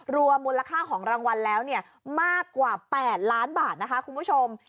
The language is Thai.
รวมมูลค่าของรางวัลแล้วเนี่ยมากกว่า๘ล้านบาทนะคะคุณผู้ชม